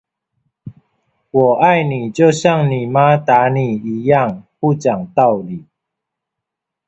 我愛你，就像你媽打你一樣，不講道理